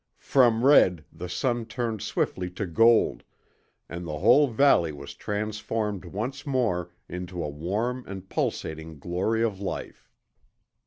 From red the sun turned swiftly to gold, and the whole valley was transformed once more into a warm and pulsating glory of life.